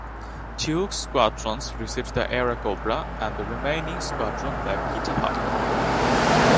Two squadrons received the Airacobra and the remaining squadron the Kittyhawk.